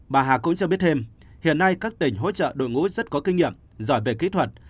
bà hà cũng cho biết thêm hiện nay các tỉnh hỗ trợ đội ngũ rất có kinh nghiệm giỏi về kỹ thuật